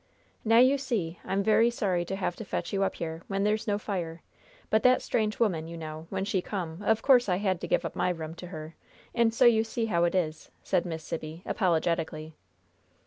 "Now, you see, I'm very sorry to have to fetch you up here, where there's no fire; but that strange woman, you know, when she come, of course I had to give up my room to her, and so you see how it is," said Miss Sibby, apologetically.